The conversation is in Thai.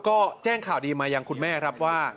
ก็แจ้งข่าวดีมาอย่างคุณแม่ครับว่า